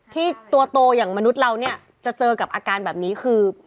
ที่ตัวโตอย่างมนุษย์เราเนี่ยจะเจอกับอาการแบบนี้คือ